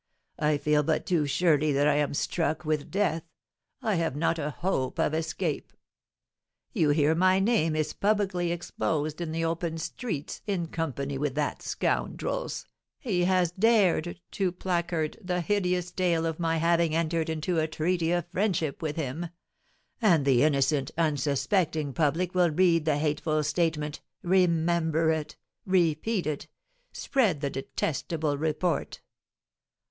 I feel but too surely that I am struck with death, I have not a hope of escape! You hear my name is publicly exposed in the open streets, in company with that scoundrel's! He has dared to placard the hideous tale of my having entered into a treaty of friendship with him! And the innocent, unsuspecting public will read the hateful statement remember it repeat it spread the detestable report!